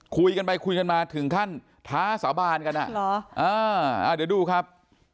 คุยกันไปคุยกันมาถึงขั้นท้าสาบานกันอ่ะเหรอเดี๋ยวดูครับ